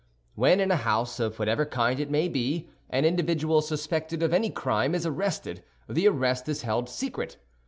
When in a house, of whatever kind it may be, an individual suspected of any crime is arrested, the arrest is held secret.